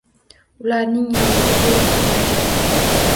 Ularni yonida bulib tur najot